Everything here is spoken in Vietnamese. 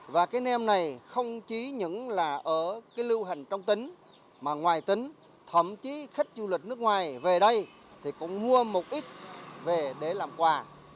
và cái nem này không chỉ những là ở cái lưu hành trong tính mà ngoài tính thậm chí khách du lịch nước ngoài về đây thì cũng mua một ít về để làm quà